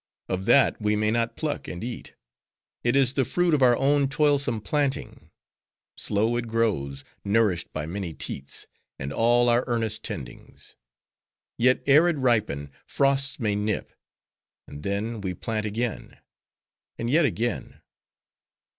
Of that we may not pluck and eat. It is the fruit of our own toilsome planting; slow it grows, nourished by many teats, and all our earnest tendings. Yet ere it ripen, frosts may nip;—and then, we plant again; and yet again.